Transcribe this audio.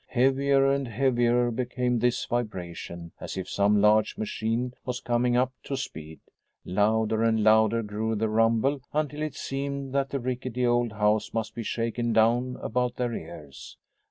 Heavier and heavier became this vibration, as if some large machine was coming up to speed. Louder and louder grew the rumble until it seemed that the rickety old house must be shaken down about their ears.